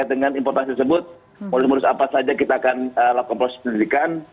dengan importasi tersebut modus modus apa saja kita akan lakukan proses penyelidikan